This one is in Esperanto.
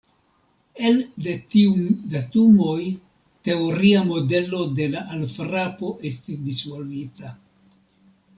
Elde tiuj datumoj, teoria modelo de la alfrapo estis disvolvita.